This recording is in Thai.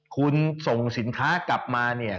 คุณส่งสินค้ากลับมาเนี่ย